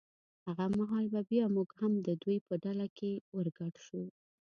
هغه مهال به بیا موږ هم د دوی په ډله کې ور ګډ شو.